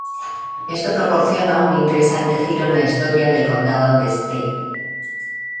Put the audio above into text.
Esto proporciona un interesante giro en la historia del condado de Stade.